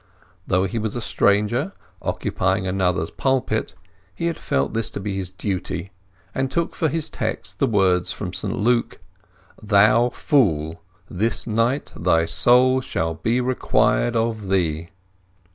Though he was a stranger, occupying another's pulpit, he had felt this to be his duty, and took for his text the words from St Luke: "Thou fool, this night thy soul shall be required of thee!"